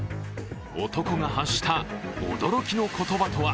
男が発した驚きの言葉とは